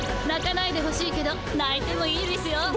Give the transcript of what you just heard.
なかないでほしいけどないてもいいですよ。